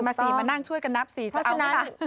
มาสี่มานั่งช่วยกันนับสิจะเอาหรือเปล่า